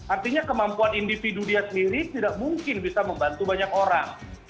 artinya kemampuan individu dia sendiri tidak mungkin bisa membantu banyak orang